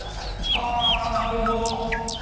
はあなるほど。